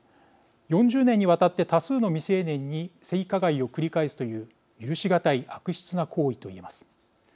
４０年にわたって多数の未成年に性加害を繰り返すという許し難い悪質な行為と言えます。